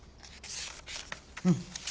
うん。